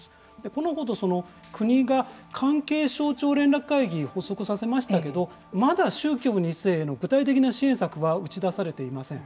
このほど、国が関係省庁連絡会議を発足させましたけれどもまだ宗教２世への具体的な支援策は打ち出されていません。